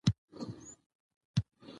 ماشومان د ښوونکي مشورې په غور تعقیبوي